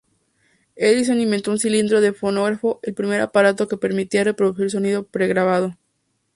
Edison inventó un cilindro de fonógrafo, el primer aparato que permitía reproducir sonido pregrabado.